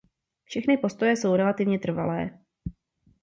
Všechny postoje jsou relativně trvalé.